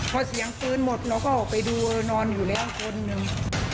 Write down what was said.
พอเสียงปืนหมดเราก็ออกไปดูนอนอยู่แล้วคนหนึ่ง